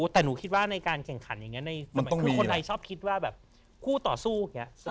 แต่หนูคิดว่าในการแข่งขันอย่างงี้คนไทยชอบคิดว่าแบบคู่ต่อสู้